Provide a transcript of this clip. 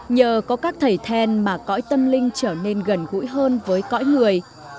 nhờ có các thầy then mà cõi tâm linh trở nên gần gũi hơn với cõi người